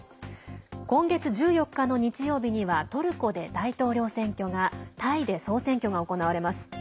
今月１４日の日曜日にはトルコで大統領選挙がタイで総選挙が行われます。